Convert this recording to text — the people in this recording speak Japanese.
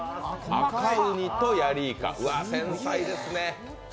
赤うにとヤリイカ、繊細ですね。